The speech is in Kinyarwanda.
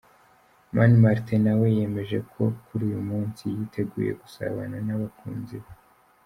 Mani Martin nawe yemeza ko kuri uyu munsi yiteguye gusabana n’abakunzi be.